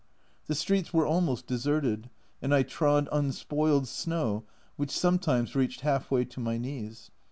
The streets were almost deserted, and I trod unspoiled snow, which sometimes reached half way to my knees.